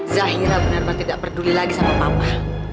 zairah bener bener tidak peduli lagi sama papa